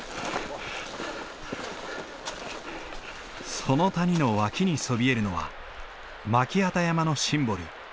その谷の脇にそびえるのは巻機山のシンボル